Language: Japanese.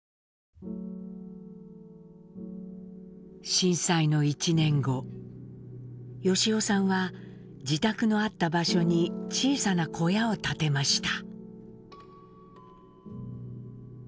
震災の１年後由夫さんは自宅のあった場所に小さな小屋を建てました。